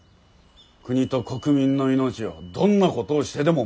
国と国民の命をどんなことをしてでも守る。